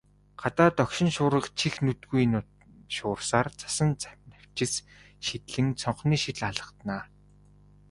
Гадаа догшин шуурга чих нүдгүй шуурсаар, цасан навчис шидлэн цонхны шил алгадна.